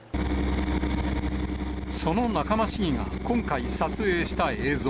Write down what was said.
その仲間市議が今回、撮影した映像。